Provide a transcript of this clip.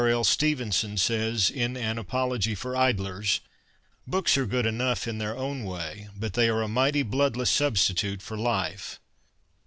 L. Stevenson says, in An Apology for Idlers, ' Books are good enough in their own way, but they are a mighty bloodless substitute for life.'